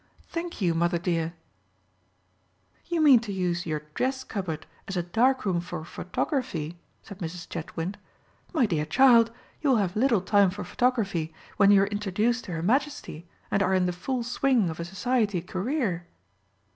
Thank you, mother, dear." "You mean to use your dress cupboard as a darkroom for photography?" said Mrs. Chetwynd. "My dear child, you will have little time for photography when you are introduced to Her Majesty, and are in the full swing of a society career."